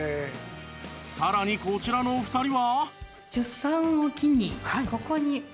さらにこちらのお二人は